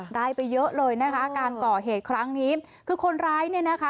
ได้ไปเยอะเลยนะคะการก่อเหตุครั้งนี้คือคนร้ายเนี่ยนะคะ